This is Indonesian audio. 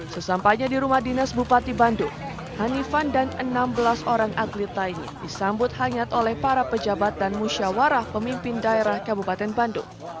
sesampainya di rumah dinas bupati bandung hanifan dan enam belas orang atlet lainnya disambut hangat oleh para pejabat dan musyawarah pemimpin daerah kabupaten bandung